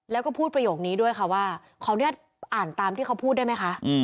แล้วก็พูดประโยคนี้ด้วยค่ะว่าขออนุญาตอ่านตามที่เขาพูดได้ไหมคะ